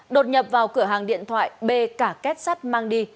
đột nhập vào cửa hàng điện thoại b cả két sắt mang đi